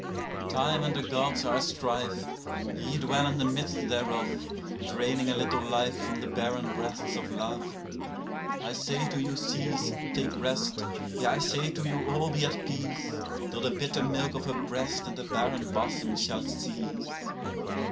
19Time and the Gods are at strife; ye dwell in the midst thereof,20Draining a little life from the barren breasts of love.21I say to you, cease, take rest; yea, I say to you all, be at peace,22Till the bitter milk of her breast and the barren bosom shall cease.